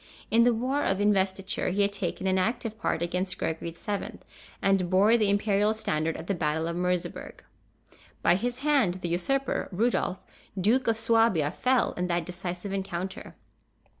In the war of Investiture he had taken an active part against Gregory VII., and bore the Imperial standard at the battle of Merseberg. By his hand the usurper, Rudolph, Duke of Suabia, fell in that decisive encounter.